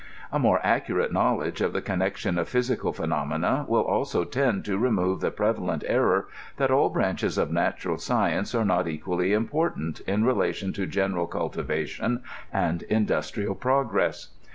A more accurate knowledge of the connection of physical phenomena will also tend to remove the prevalent error that all branches of natural science are not equally important in relation to general cultivation and industrial progress.